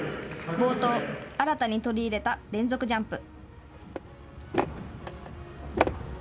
冒頭、新たに取り入れた連続ジャンプ。